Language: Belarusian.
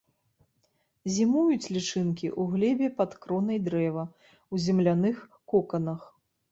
Зімуюць лічынкі ў глебе пад кронай дрэва, у земляных коканах.